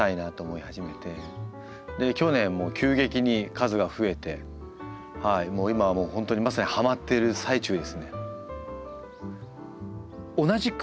で去年急激に数が増えてもう今は本当にまさにハマってる最中ですね。